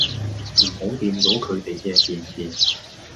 唔好掂到佢哋嘅便便